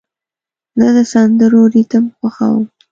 زه د سندرو ریتم خوښوم.